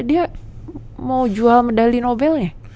dia mau jual medali nobel ya